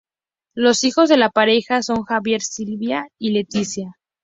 Los hijos de la pareja son Javier, Silvia y Leticia.